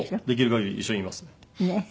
できる限り一緒にいますね。